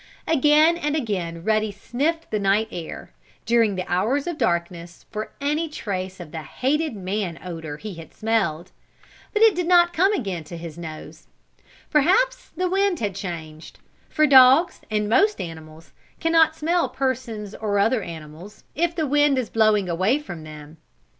Again and again Ruddy sniffed the night air, during the hours of darkness for any trace of the hated man odor he had smelled. But it did not again come to his nose. Perhaps the wind had changed, for dogs, and most animals, can not smell persons, or other animals, if the wind is blowing away from them.